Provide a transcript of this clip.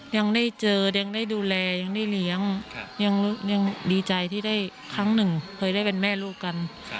ยังได้เจอยังได้ดูแลยังได้เลี้ยงยังดีใจที่ได้ครั้งหนึ่งเคยได้เป็นแม่ลูกกัน